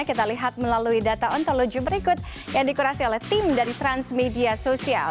kita lihat melalui data ontologi berikut yang dikurasi oleh tim dari transmedia sosial